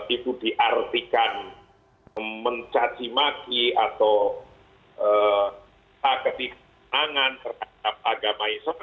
itu diartikan mencacimaki atau tak ketipu penangan terhadap agama islam